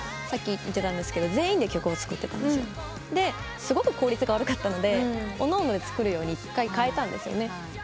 さっき言ってたんですけど全員で曲を作ってたんですよ。ですごく効率が悪かったのでおのおので作るように１回変えたんですよね。